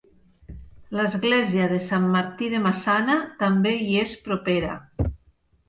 L'església de Sant Martí de Maçana també hi és propera.